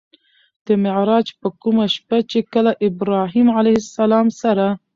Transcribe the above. د معراج په کومه شپه چې کله د ابراهيم عليه السلام سره